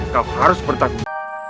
kau harus bertanggung